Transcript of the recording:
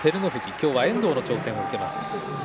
今日は遠藤の挑戦を受けます。